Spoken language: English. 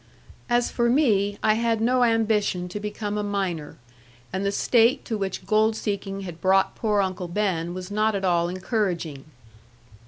As for me, I had no ambition to become a miner; and the state to which gold seeking had brought poor Uncle Ben was not at all encouraging.